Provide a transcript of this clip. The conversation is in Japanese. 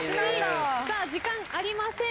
時間ありません